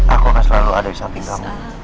aku kan selalu ada di samping kamu